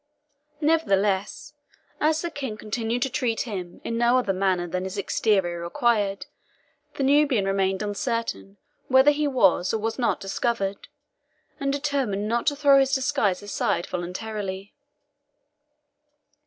Nevertheless, as the King continued to treat him in no other manner than his exterior required, the Nubian remained uncertain whether he was or was not discovered, and determined not to throw his disguise aside voluntarily.